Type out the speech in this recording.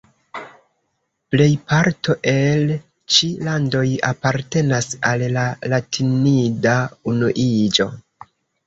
Plejparto el ĉi landoj apartenas al la Latinida Unuiĝo.